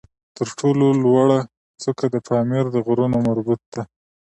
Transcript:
تر ټولو لوړه څوکه د پامیر د غرونو مربوط ده